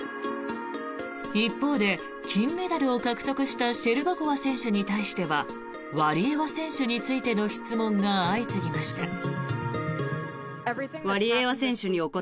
一方で、金メダルを獲得したシェルバコワ選手に対してはワリエワ選手についての質問が相次ぎました。